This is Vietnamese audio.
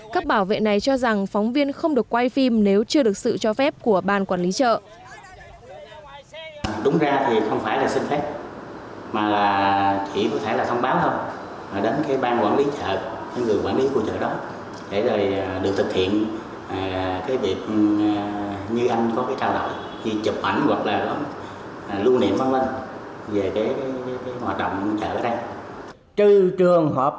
các bảo vệ này cho rằng phóng viên không được quay phim nếu chưa được sự cho phép của ban quản lý chợ